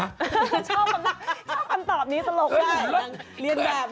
ชอบคำตอบนี้สลบได้